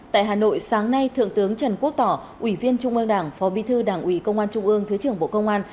tại hà nội sáng nay thượng tướng trần quốc tỏ ủy viên trung ương đảng phó bí thư đảng ủy công an trung ương thứ trưởng bộ công an